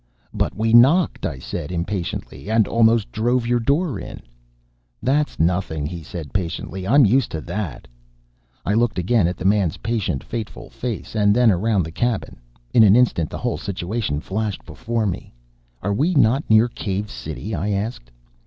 "'But we KNOCKED!' I said, impatiently, 'and almost drove your door in.' "'That's nothing,' he said, patiently. 'I'm used to THAT.' "I looked again at the man's patient, fateful face, and then around the cabin. In an instant the whole situation flashed before me. 'Are we not near Cave City?' I asked.